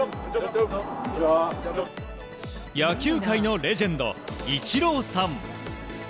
野球界のレジェンドイチローさん。